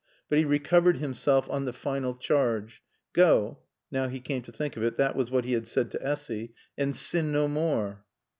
But he recovered himself on the final charge. "'Go'" now he came to think of it, that was what he had said to Essy "'and sin no more.'"